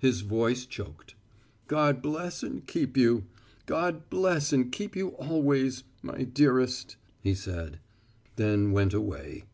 His voice choked. "God bless and keep you. God bless and keep you always, my dearest," he said, then went away.